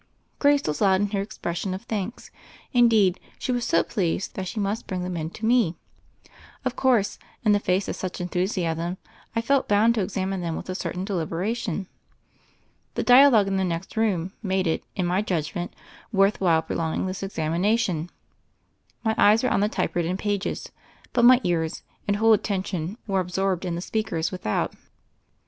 Grace was loud in her expressions of thanks ; indeed, she was so pleased that she must bring them in to me. Of course, in the face of such enthusiasm, I felt bound to examine them with a certain deliberation. The dialogue, in the next room, made it, in my judgment, worth while prolonging this examination. My eyes were on the typewritten pages, but my ears and whole attention were absorbed in the speakers without.